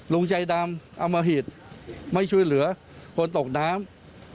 ลุงใจดำเอามาผิดไม่ช่วยเหลือคนตกน้ำ